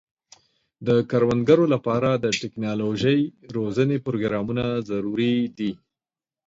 د کروندګرو لپاره د ټکنالوژۍ روزنې پروګرامونه ضروري دي.